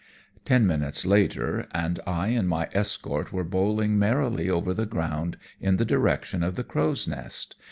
Ten minutes later and I and my escort were bowling merrily over the ground in the direction of the Crow's Nest.